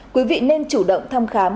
quý vị nên chủ động thăm khám